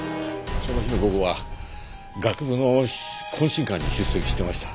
その日の午後は学部の懇親会に出席してました。